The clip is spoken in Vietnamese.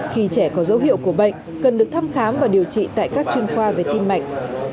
khi trẻ có dấu hiệu của bệnh cần được thăm khám và điều trị tại các chuyên khoa về tim mạch